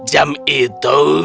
pada jam itu